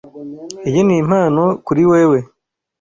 Iyi ni impano kuri wewe.